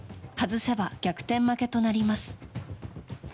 外せば逆転負けとなります。